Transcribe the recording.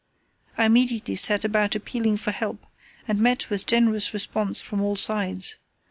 I immediately set about appealing for help, and met with generous response from all sides.